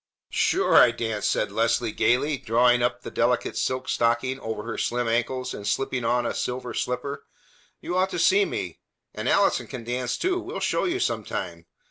"Sure I dance!" said Leslie gayly, drawing up the delicate silk stocking over her slim ankles and slipping on a silver slipper. "You ought to see me. And Allison can dance, too. We'll show you sometime.